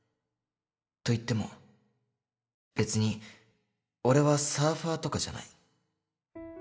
といっても別に俺はサーファーとかじゃない